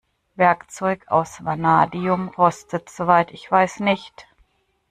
Werkzeug aus Vanadium rostet soweit ich weiß nicht.